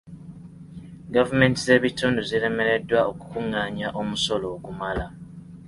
Gavumenti z'ebitundu ziremereddwa okukungaanya omusolo ogumala.